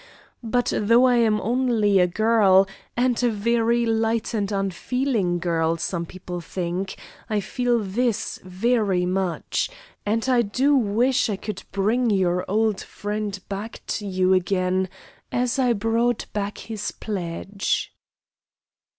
But though I am only a girl, and a very light and unfeeling girl, some people think, I feel this very much, and I do wish I could bring your old friend back to you again as I brought back his pledge."